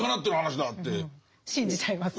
信じちゃいますね。